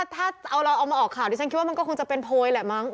ถ้าเราเอามาออกข่าวดิฉันคิดว่ามันก็คงจะเป็นโพยแหละมั้ง